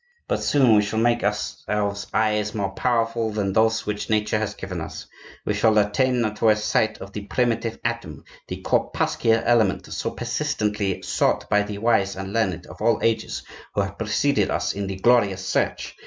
But soon we shall make ourselves eyes more powerful than those which Nature has given us; we shall attain to a sight of the primitive atom, the corpuscular element so persistently sought by the wise and learned of all ages who have preceded us in the glorious search.